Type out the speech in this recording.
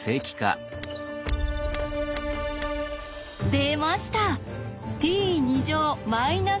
出ました。